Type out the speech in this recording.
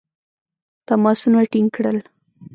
تماسونه ټینګ کړل.